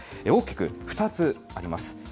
大きく２つあります。